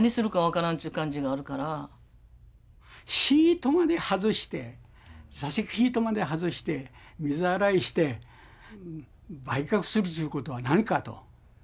シートまで外して座席シートまで外して水洗いして売却するっちゅうことは何かと。